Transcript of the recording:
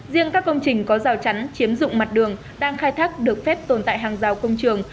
riêng các công trình có rào chắn chiếm dụng mặt đường đang khai thác được phép tồn tại hàng rào công trường